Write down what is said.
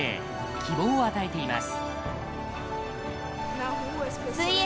希望を与えています。